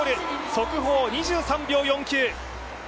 速報２３秒４９。